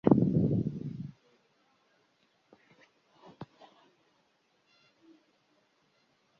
তোমার সঙ্গে পরে কথা হবে।